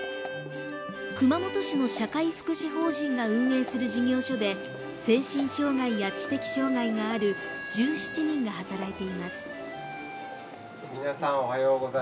熊本市の社会福祉法人が運営する事業所で精神障害や知的障害がある１７人が働いています。